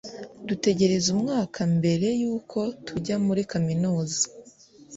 dutegereza umwaka mbere y’uko tujya muri Kaminuza